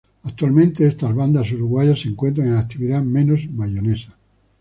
Actualmente estas bandas uruguayas se encuentran en actividad menos Mayonesa.